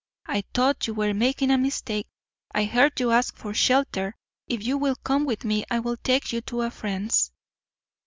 "I thought you were making a mistake. I heard you ask for shelter. If you will come with me I will take you to a friend's."